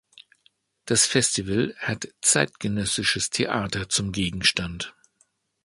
Das Festival hat zeitgenössisches Theater zum Gegenstand.